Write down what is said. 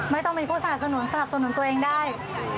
ไม่ต้องมีผู้สนับสนุนสนับสนุนตัวเองได้